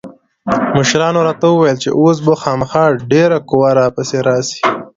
مشرانو راته وويل چې اوس به خامخا ډېره قوا را پسې راسي.